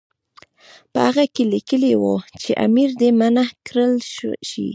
په هغه کې لیکلي وو چې امیر دې منع کړل شي.